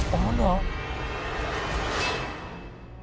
อ๋อรู้แล้ว